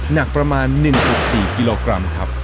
หนักประมาณ๑๔กิโลกรัมครับ